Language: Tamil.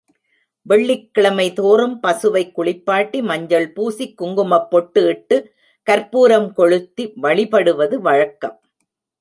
வெள்ளிக்கிழமை தோறும் பசுவைக் குளிப்பாட்டி மஞ்சள் பூசிக் குங்குமப் பொட்டு இட்டுக் கர்ப்பூரம் கொளுத்தி வழிபடுவது வழக்கம்.